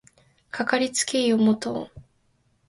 かかりつけ医を持とう